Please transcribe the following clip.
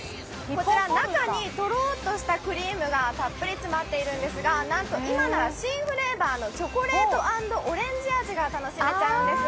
こちら中にとろーっとしたクリームがたっぷり詰まっているんですがなんと今なら新フレーバーのチョコレート＆オレンジ味が楽しめちゃうんです。